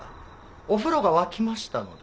お風呂が沸きましたので。